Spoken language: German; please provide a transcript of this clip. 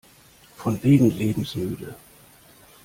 Von wegen lebensmüde!